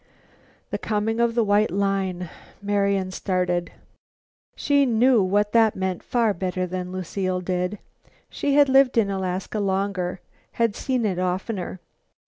The "coming of the White Line." Marian started. She knew what that meant far better than Lucile did. She had lived in Alaska longer, had seen it oftener.